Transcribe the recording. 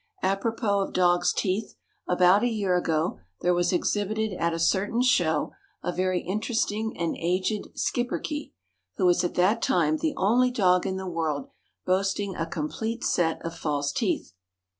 Apropos of dog's teeth, about a year ago there was exhibited at a certain show a very interesting and aged schipperke, who was at that time the only dog in the world boasting a complete set of false teeth.